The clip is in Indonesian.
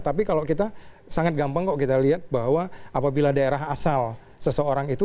tapi kalau kita sangat gampang kok kita lihat bahwa apabila daerah asal seseorang itu